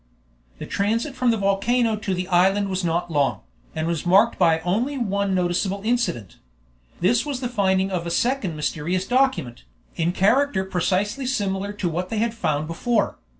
The transit from the volcano to the island was not long, and was marked by only one noticeable incident. This was the finding of a second mysterious document, in character precisely similar to what they had found before.